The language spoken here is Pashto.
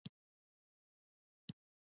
څنګه کولی شم د سحر ډوډۍ چټکه جوړه کړم